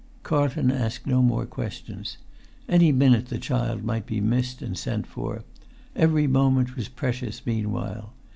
Carlton asked no more questions. Any minute the child might be missed and sent for; every moment was precious meanwhile.